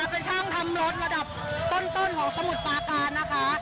เป็นช่างทำรถระดับต้นของสมุทรปาการนะคะ